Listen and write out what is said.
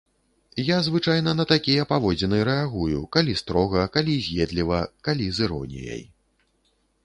Я звычайна на такія паводзіны рэагую, калі строга, калі з'едліва, калі з іроніяй.